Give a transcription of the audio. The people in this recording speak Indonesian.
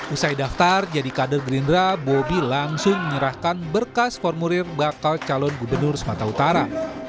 usai daftar jadi kader gerindra bobi langsung menyerahkan berkas formulir bakal calon gubernur sumatera utara